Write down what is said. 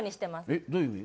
えっどういう意味？